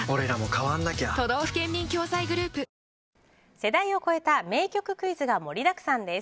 世代を超えた名曲クイズが盛りだくさんです。